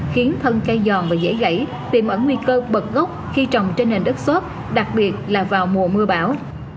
dần cây giòn và dễ gãy tìm ẩn nguy cơ bật gốc khi trồng trên nền đất xót đặc biệt là vào mùa mưa bão